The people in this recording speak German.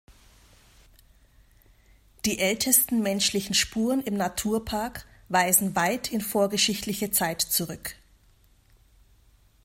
Die ältesten menschlichen Spuren im Naturpark weisen weit in vorgeschichtliche Zeit zurück.